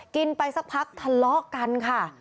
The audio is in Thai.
กินไปสักพักทะเลาะกันค่ะ